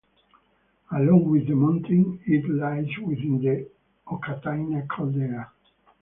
Along with the mountain, it lies within the Okataina caldera.